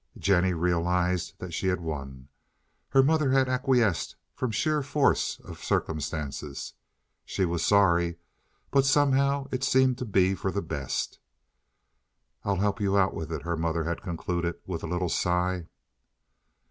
Jennie realized that she had won. Her mother had acquiesced from sheer force of circumstances. She was sorry, but somehow it seemed to be for the best. "I'll help you out with it," her mother had concluded, with a little sigh.